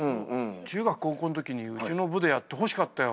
中学高校んときにうちの部でやってほしかったよ